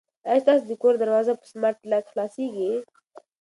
آیا ستاسو د کور دروازه په سمارټ لاک خلاصیږي؟